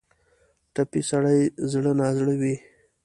ټپي سړی زړه نا زړه وي.